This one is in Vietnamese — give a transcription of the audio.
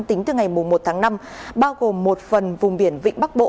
tính từ ngày một tháng năm bao gồm một phần vùng biển vịnh bắc bộ